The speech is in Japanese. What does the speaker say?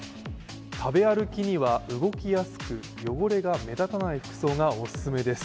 食べ歩きには動きやすく汚れが目立たない服装がおすすめです。